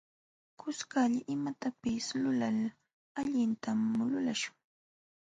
Kuskalla imatapis lulal allintam lulaśhun.